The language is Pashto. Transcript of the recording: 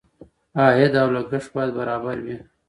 عاید او لګښت باید برابر وي.